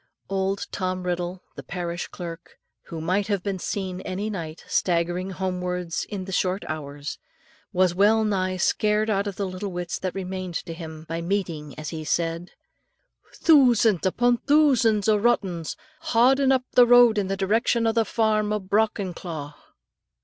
Old Tom Riddle, the parish clerk, who might have been seen any night, staggering homewards in the short hours, was well nigh scared out of the little wits that remained to him, by meeting, as he said, "Thoosands upon thoosands o' rottens, haudin' up the road in the direction o' the farm o' Brockenclough."